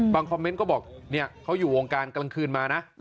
คอมเมนต์ก็บอกเนี่ยเขาอยู่วงการกลางคืนมานะ